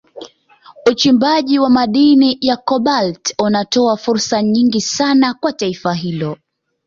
Uchimbaji wa madini ya Kobalti unatoa fursa nyingi sana kwa taifa hilo